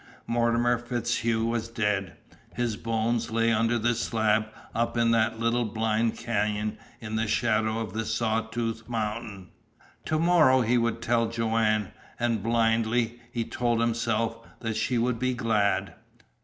Mortimer FitzHugh was dead. His bones lay under the slab up in that little blind canyon in the shadow of the Saw Tooth Mountain. To morrow he would tell Joanne. And, blindly, he told himself that she would be glad.